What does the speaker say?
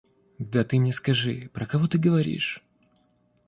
Да ты мне скажи, про кого ты говоришь?